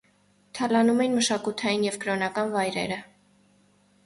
Թալանում էին մշակութային և կրոնական վայրերը։